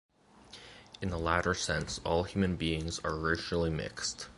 In the latter sense, all human beings are racially mixed.